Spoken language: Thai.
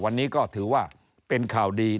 วันนี้ก็ถือว่าเป็นข่าวดี